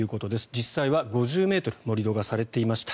実際は５０ｍ盛り土がされていました。